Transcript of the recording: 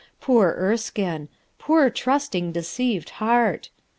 Poor Erskine! poor tr Ust _ ing, deceived heart!